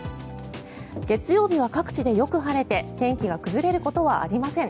月曜日は各地でよく晴れて天気が崩れることはありません。